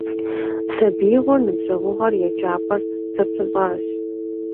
Сабиигъуэр, ныбжьэгъугъэр, еджапӀэр зэпыщӀащ.